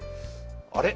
あれ？